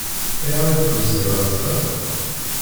Ayɣer i d-tusiḍ ass-a?